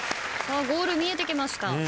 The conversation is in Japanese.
ゴール見えてきました。